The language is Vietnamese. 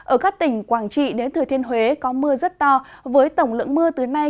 ở các tỉnh quảng trị đến thừa thiên huế có mưa rất to với tổng lượng mưa từ nay